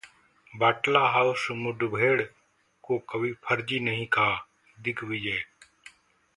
बटला हाउस मुठभेड़ को कभी फर्जी नहीं कहा: दिग्विजय